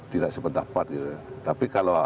tidak sependapat tapi kalau